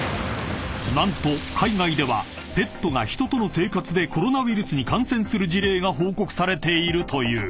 ［何と海外ではペットが人との生活でコロナウイルスに感染する事例が報告されているという］